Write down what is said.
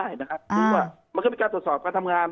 จริงว่ามันก็เป็นการสดสอบทางทำงาน